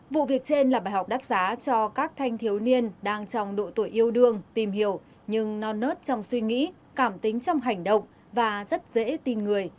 vụ việc trên là bài học đắt giá cho các thanh thiếu niên đang trong độ tuổi yêu đương tìm hiểu nhưng non nớt trong suy nghĩ cảm tính trong hành động và rất dễ tìm người